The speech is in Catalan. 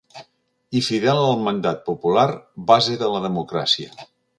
I fidel al mandat popular, base de la democràcia.